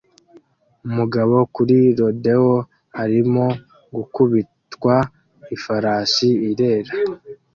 Umugabo kuri rodeo arimo gukubitwa ifarashi irera